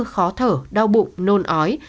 khó thở đau bụng nôn ói